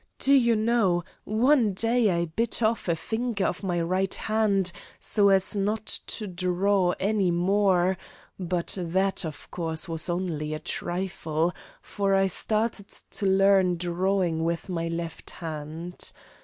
Do you know, one day I bit off a finger of my right hand so as not to draw any more, but that, of course, was only a trifle, for I started to learn drawing with my left hand.